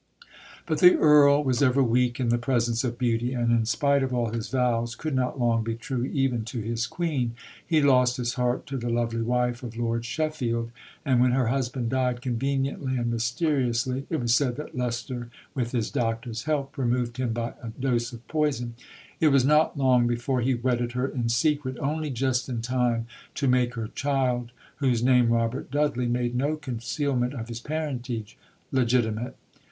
But the Earl was ever weak in the presence of beauty; and in spite of all his vows could not long be true even to his Queen. He lost his heart to the lovely wife of Lord Sheffield; and when her husband died conveniently and mysteriously (it was said that Leicester, with his doctor's help, removed him by a dose of poison) it was not long before he wedded her in secret, only just in time to make her child, whose name, "Robert Dudley," made no concealment of his parentage, legitimate.